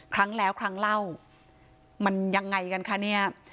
ครั้งแล้วครั้งเล่ามันยังไงกันคะเนี่ย